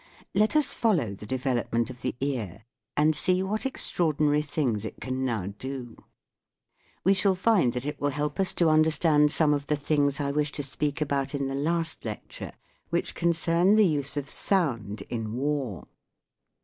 Let us follow the development of the ear and see what extraordinary things it can now do. We shall find that it will help us to understand some of the things I wish to speak about in the last lecture, which concern the use of sound in war.